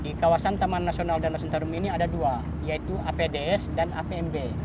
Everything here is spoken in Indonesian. di kawasan taman nasional danau sentarum ini ada dua yaitu apds dan apmb